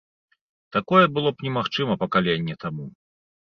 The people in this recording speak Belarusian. Такое было б немагчыма пакаленне таму.